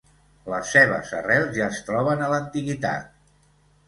Les seves arrels ja es troben a l'antiguitat.